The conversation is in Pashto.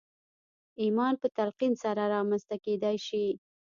ايمان په تلقين سره رامنځته کېدای شي.